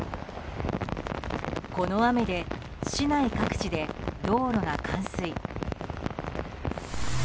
この雨で市内各地で道路が冠水。